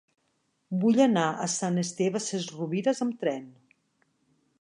Vull anar a Sant Esteve Sesrovires amb tren.